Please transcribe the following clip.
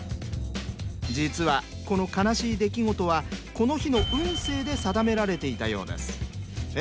実はこの悲しい出来事はこの日の運勢で定められていたようです。え？